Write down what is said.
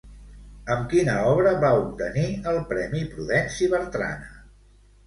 Amb quina obra va obtenir el Premi Prudenci Bertrana?